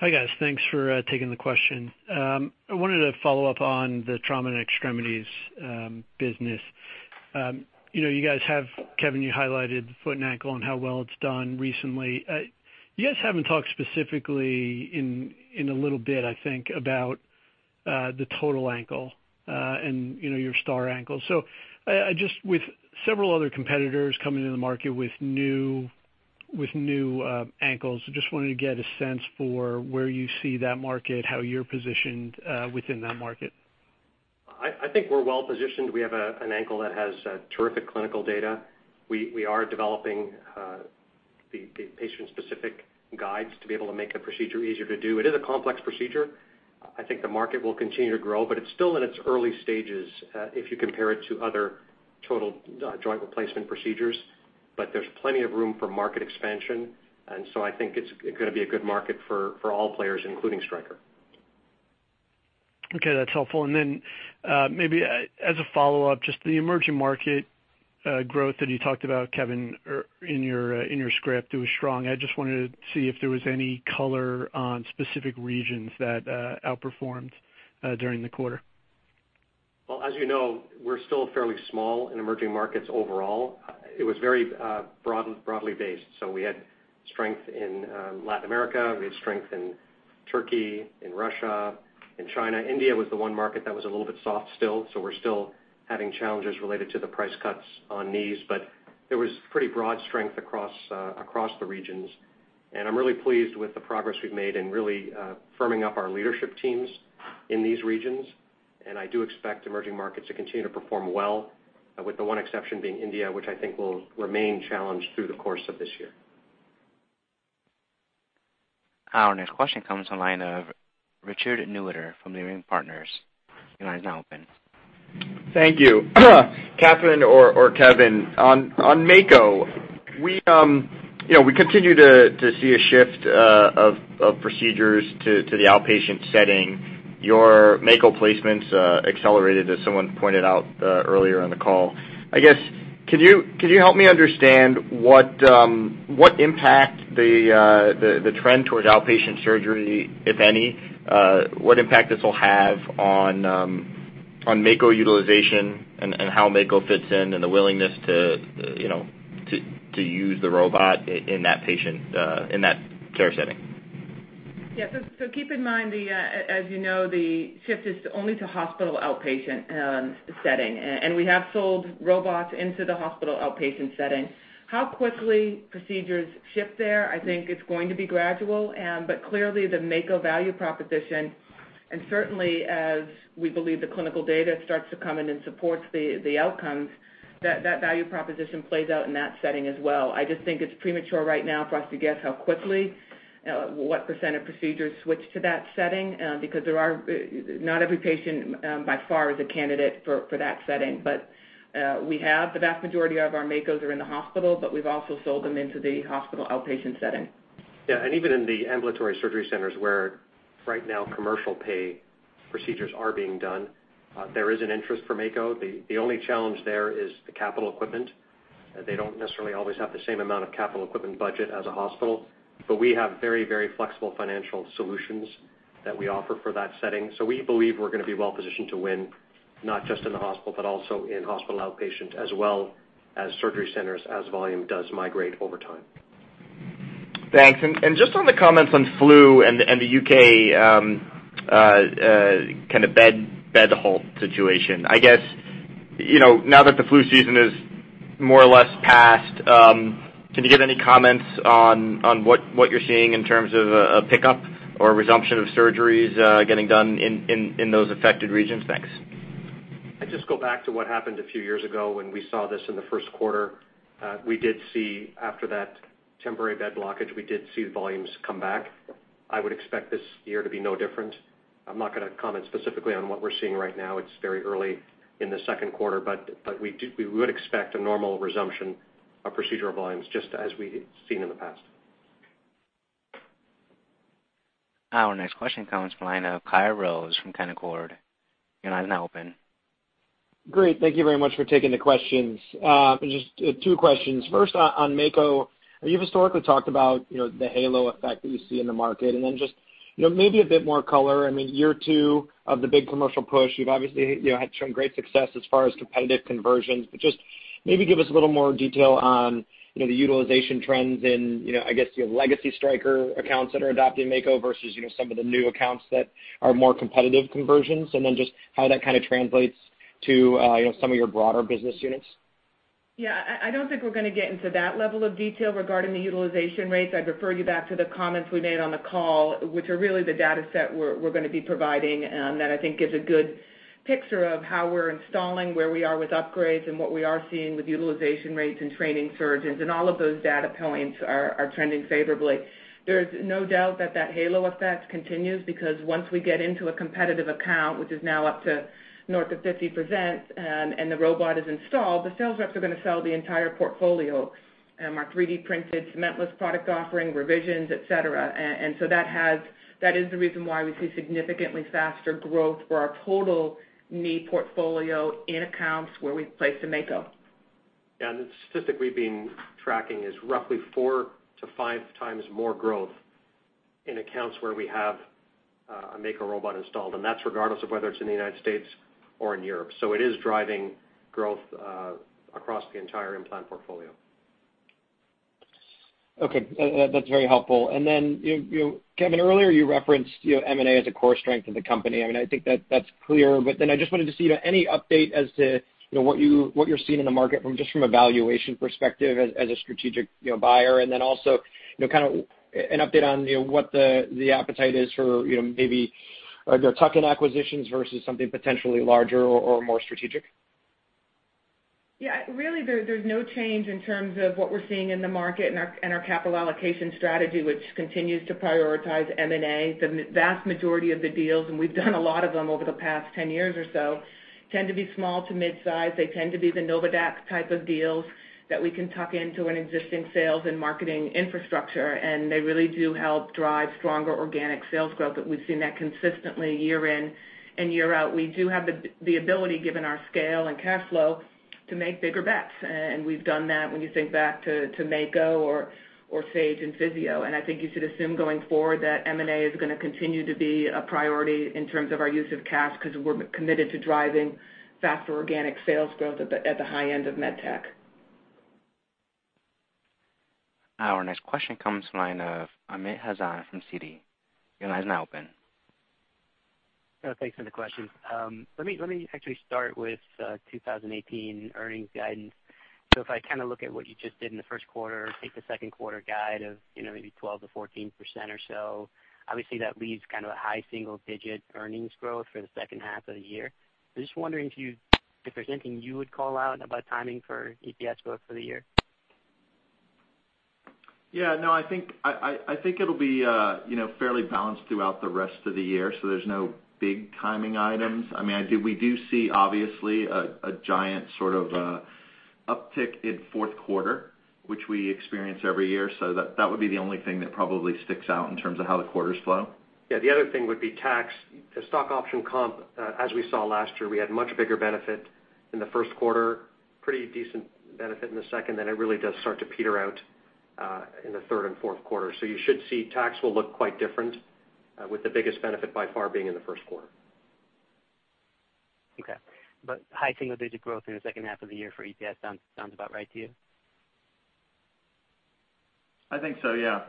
Hi, guys. Thanks for taking the question. I wanted to follow up on the trauma and extremities business. Kevin, you highlighted foot and ankle and how well it's done recently. You guys haven't talked specifically in a little bit, I think, about the total ankle, and your STAR Ankle. Just with several other competitors coming into the market with new ankles, I just wanted to get a sense for where you see that market, how you're positioned within that market. I think we're well-positioned. We have an ankle that has terrific clinical data. We are developing the patient-specific guides to be able to make a procedure easier to do. It is a complex procedure. I think the market will continue to grow, but it's still in its early stages if you compare it to other total joint replacement procedures. There's plenty of room for market expansion, I think it's going to be a good market for all players, including Stryker. Okay, that's helpful. Maybe as a follow-up, just the emerging market growth that you talked about, Kevin, in your script, it was strong. I just wanted to see if there was any color on specific regions that outperformed during the quarter. As you know, we're still fairly small in emerging markets overall. It was very broadly based. We had strength in Latin America, we had strength in Turkey, in Russia, in China. India was the one market that was a little bit soft still, we're still having challenges related to the price cuts on knees. There was pretty broad strength across the regions. I'm really pleased with the progress we've made in really firming up our leadership teams in these regions. I do expect emerging markets to continue to perform well, with the one exception being India, which I think will remain challenged through the course of this year. Our next question comes from the line of Richard Newitter from Leerink Partners. Your line is now open. Thank you. Katherine or Kevin, on Mako. We continue to see a shift of procedures to the outpatient setting. Your Mako placements accelerated, as someone pointed out earlier in the call. I guess, can you help me understand what impact the trend towards outpatient surgery, if any, what impact this will have on Mako utilization and how Mako fits in, and the willingness to use the robot in that care setting? Yeah. Keep in mind, as you know, the shift is only to hospital outpatient setting, and we have sold robots into the hospital outpatient setting. How quickly procedures shift there, I think it's going to be gradual. Clearly the Mako value proposition, and certainly as we believe the clinical data starts to come in and supports the outcomes, that value proposition plays out in that setting as well. I just think it's premature right now for us to guess how quickly, what % of procedures switch to that setting, because not every patient by far is a candidate for that setting. We have the vast majority of our Makos are in the hospital, but we've also sold them into the hospital outpatient setting. Yeah. Even in the ambulatory surgery centers, where right now commercial pay procedures are being done, there is an interest for Mako. The only challenge there is the capital equipment. They don't necessarily always have the same amount of capital equipment budget as a hospital. We have very flexible financial solutions that we offer for that setting. We believe we're going to be well positioned to win, not just in the hospital, but also in hospital outpatient as well as surgery centers as volume does migrate over time. Thanks. Just on the comments on flu and the U.K. kind of bed halt situation. I guess, now that the flu season is more or less passed, can you give any comments on what you're seeing in terms of a pickup or resumption of surgeries getting done in those affected regions? Thanks. I'd just go back to what happened a few years ago when we saw this in the first quarter. We did see, after that temporary bed blockage, we did see the volumes come back. I would expect this year to be no different. I'm not going to comment specifically on what we're seeing right now. It's very early in the second quarter, but we would expect a normal resumption of procedure volumes just as we've seen in the past. Our next question comes from the line of Kyle Rose from Canaccord. Your line is now open. Great. Thank you very much for taking the questions. Just two questions. First, on Mako. You've historically talked about the halo effect that you see in the market, just maybe a bit more color. I mean, year two of the big commercial push, you've obviously had some great success as far as competitive conversions, just maybe give us a little more detail on the utilization trends in, I guess, your legacy Stryker accounts that are adopting Mako versus some of the new accounts that are more competitive conversions. Just how that kind of translates to some of your broader business units. Yeah, I don't think we're going to get into that level of detail regarding the utilization rates. I'd refer you back to the comments we made on the call, which are really the dataset we're going to be providing, that I think gives a good picture of how we're installing, where we are with upgrades, what we are seeing with utilization rates and training surgeons, all of those data points are trending favorably. There's no doubt that that halo effect continues because once we get into a competitive account, which is now up to north of 50%, the robot is installed, the sales reps are going to sell the entire portfolio, our 3D-printed, cementless product offering, revisions, et cetera. That is the reason why we see significantly faster growth for our total knee portfolio in accounts where we've placed a Mako. Yeah, the statistic we've been tracking is roughly four to five times more growth in accounts where we have a Mako robot installed, and that's regardless of whether it's in the U.S. or in Europe. It is driving growth across the entire implant portfolio. Okay. That's very helpful. Kevin, earlier you referenced M&A as a core strength of the company. I think that's clear, I just wanted to see any update as to what you're seeing in the market just from a valuation perspective as a strategic buyer. Also, kind of an update on what the appetite is for maybe tuck-in acquisitions versus something potentially larger or more strategic? Yeah, really, there's no change in terms of what we're seeing in the market and our capital allocation strategy, which continues to prioritize M&A. The vast majority of the deals, and we've done a lot of them over the past 10 years or so, tend to be small to mid-size. They tend to be the Novadaq type of deals that we can tuck into an existing sales and marketing infrastructure, and they really do help drive stronger organic sales growth, and we've seen that consistently year in and year out. We do have the ability, given our scale and cash flow, to make bigger bets, and we've done that when you think back to Mako or Sage in Physio. I think you should assume going forward that M&A is going to continue to be a priority in terms of our use of cash, because we're committed to driving faster organic sales growth at the high end of med tech. Our next question comes from the line of Amit Hazan from Citi. Your line is now open. Thanks for the questions. Let me actually start with 2018 earnings guidance. If I look at what you just did in the first quarter, take the second quarter guide of maybe 12%-14% or so, obviously that leaves kind of a high single-digit earnings growth for the second half of the year. I'm just wondering if there's anything you would call out about timing for EPS growth for the year? Yeah. No, I think it'll be fairly balanced throughout the rest of the year. There's no big timing items. We do see, obviously, a giant sort of uptick in fourth quarter, which we experience every year. That would be the only thing that probably sticks out in terms of how the quarters flow. Yeah, the other thing would be tax. The stock option comp, as we saw last year, we had much bigger benefit in the first quarter, pretty decent benefit in the second. Then it really does start to peter out in the third and fourth quarter. You should see tax will look quite different, with the biggest benefit by far being in the first quarter. Okay. High single-digit growth in the second half of the year for EPS sounds about right to you? I think so, yeah.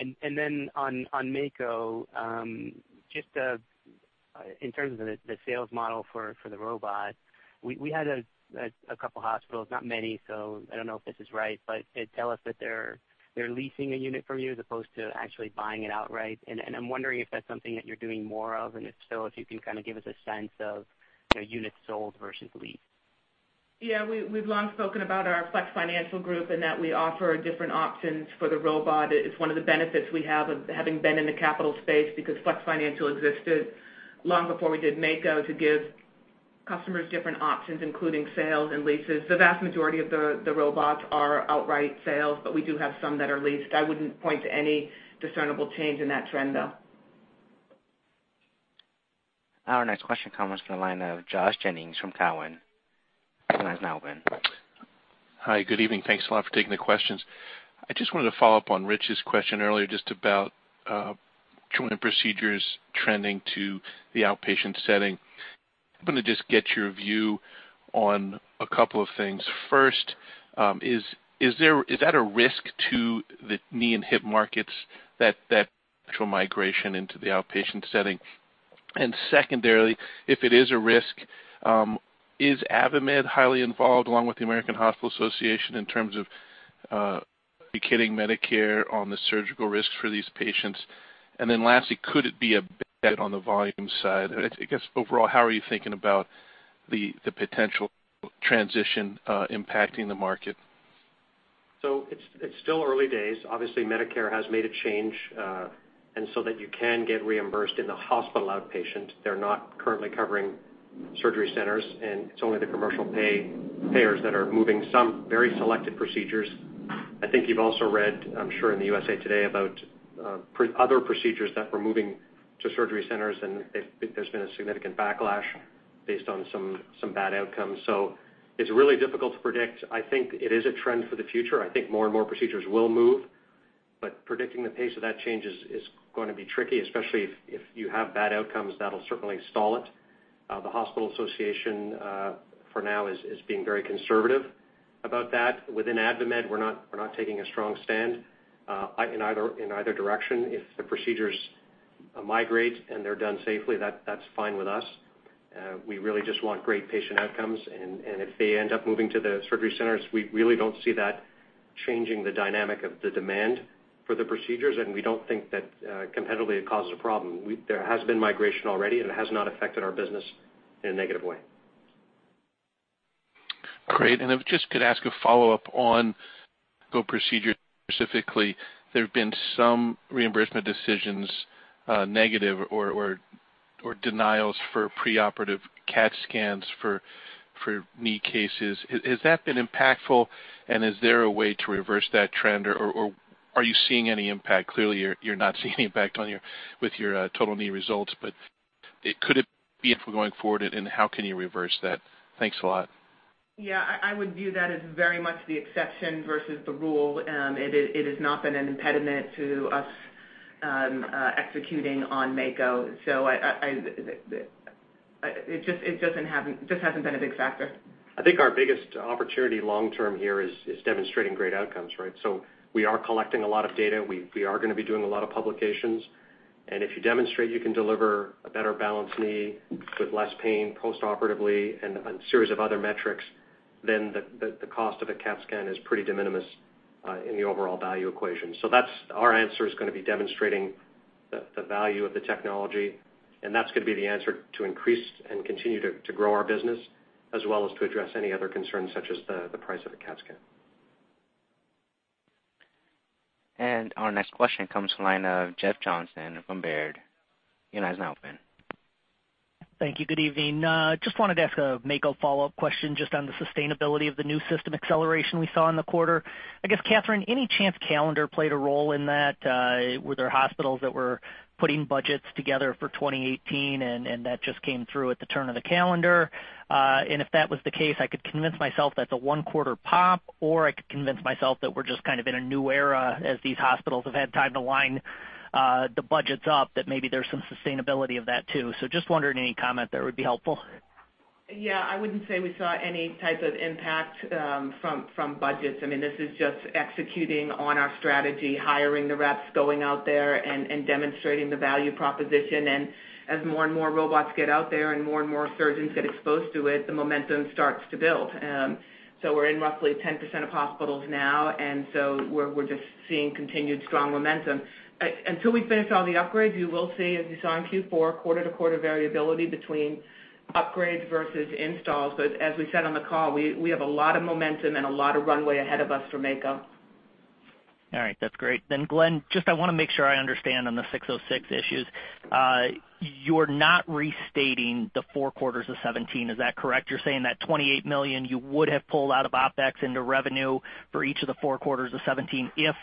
On Mako, just in terms of the sales model for the robot, we had a couple hospitals, not many, so I don't know if this is right. They tell us that they're leasing a unit from you as opposed to actually buying it outright, and I'm wondering if that's something that you're doing more of, and if so, if you can kind of give us a sense of units sold versus leased. We've long spoken about our Flex Financial group and that we offer different options for the robot. It's one of the benefits we have of having been in the capital space because Flex Financial existed long before we did Mako to give customers different options, including sales and leases. The vast majority of the robots are outright sales, but we do have some that are leased. I wouldn't point to any discernible change in that trend, though. Our next question comes from the line of Josh Jennings from Cowen. Your line is now open. Hi. Good evening. Thanks a lot for taking the questions. I just wanted to follow up on Rich's question earlier, just about joint procedures trending to the outpatient setting. I am going to just get your view on a couple of things. First, is that a risk to the knee and hip markets, that actual migration into the outpatient setting? Secondarily, if it is a risk, is AdvaMed highly involved along with the American Hospital Association in terms of educating Medicare on the surgical risks for these patients? Lastly, could it be a bet on the volume side? I guess overall, how are you thinking about the potential transition impacting the market? It's still early days. Obviously, Medicare has made a change that you can get reimbursed in the hospital outpatient. They're not currently covering surgery centers. It's only the commercial payers that are moving some very selected procedures. I think you've also read, I'm sure, in the USA Today about other procedures that were moving to surgery centers. There's been a significant backlash based on some bad outcomes. It's really difficult to predict. I think it is a trend for the future. I think more and more procedures will move. Predicting the pace of that change is going to be tricky, especially if you have bad outcomes, that'll certainly stall it. The Hospital Association, for now, is being very conservative about that. Within AdvaMed, we're not taking a strong stand in either direction. If the procedures migrate and they're done safely, that's fine with us. We really just want great patient outcomes. If they end up moving to the surgery centers, we really don't see that changing the dynamic of the demand for the procedures. We don't think that competitively it causes a problem. There has been migration already. It has not affected our business in a negative way. Great. If I just could ask a follow-up on the procedure specifically. There have been some reimbursement decisions, negative or denials for preoperative CT scans for knee cases. Has that been impactful? Is there a way to reverse that trend? Are you seeing any impact? Clearly, you're not seeing any impact with your total knee results. Could it be going forward? How can you reverse that? Thanks a lot. Yeah. I would view that as very much the exception versus the rule. It has not been an impediment to us executing on Mako. It just hasn't been a big factor. I think our biggest opportunity long term here is demonstrating great outcomes, right? We are collecting a lot of data. We are going to be doing a lot of publications. If you demonstrate you can deliver a better balanced knee with less pain post-operatively and a series of other metrics. The cost of a CT scan is pretty de minimis in the overall value equation. Our answer is going to be demonstrating the value of the technology, and that's going to be the answer to increase and continue to grow our business, as well as to address any other concerns such as the price of a CT scan. Our next question comes from the line of Jeff Johnson from Baird. Your line is now open. Thank you. Good evening. Just wanted to ask a Mako follow-up question just on the sustainability of the new system acceleration we saw in the quarter. I guess, Katherine, any chance calendar played a role in that? Were there hospitals that were putting budgets together for 2018, that just came through at the turn of the calendar? If that was the case, I could convince myself that's a one-quarter pop, or I could convince myself that we're just kind of in a new era as these hospitals have had time to line the budgets up, that maybe there's some sustainability of that, too. Just wondering, any comment there would be helpful. I wouldn't say we saw any type of impact from budgets. This is just executing on our strategy, hiring the reps, going out there, and demonstrating the value proposition. As more and more robots get out there and more and more surgeons get exposed to it, the momentum starts to build. We're in roughly 10% of hospitals now, we're just seeing continued strong momentum. Until we finish all the upgrades, you will see, as you saw in Q4, quarter-to-quarter variability between upgrades versus installs. As we said on the call, we have a lot of momentum and a lot of runway ahead of us for Mako. That's great. Glenn, just I want to make sure I understand on the 606 issues. You're not restating the four quarters of 2017, is that correct? You're saying that $28 million you would have pulled out of OpEx into revenue for each of the four quarters of 2017 if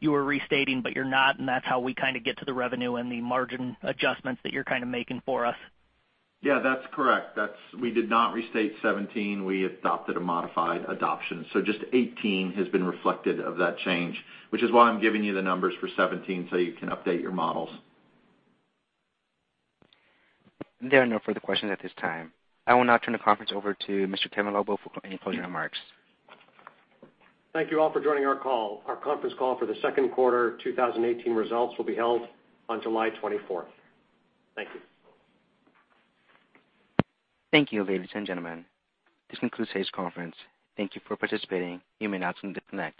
you were restating, but you're not, that's how we kind of get to the revenue and the margin adjustments that you're kind of making for us. Yeah, that's correct. We did not restate 2017. We adopted a modified adoption. Just 2018 has been reflected of that change, which is why I'm giving you the numbers for 2017 so you can update your models. There are no further questions at this time. I will now turn the conference over to Mr. Kevin Lobo for any closing remarks. Thank you all for joining our call. Our conference call for the second quarter 2018 results will be held on July 24th. Thank you. Thank you, ladies and gentlemen. This concludes today's conference. Thank you for participating. You may now disconnect.